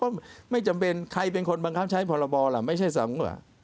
เขาก็ไม่จำเป็นใครเป็นคนบังคับใช้ผลบอลล่ะไม่ใช่สังคมหรอก